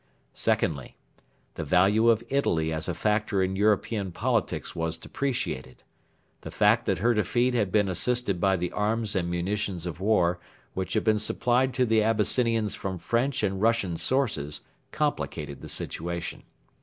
Secondly, the value of Italy as a factor in European politics was depreciated. The fact that her defeat had been assisted by the arms and munitions of war which had been supplied to the Abyssinians from French and Russian sources complicated the situation.